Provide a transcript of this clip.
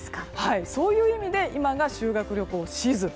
そういう意味で今が修学旅行シーズン。